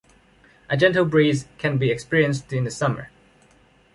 A gentle breeze can be experienced in the summer.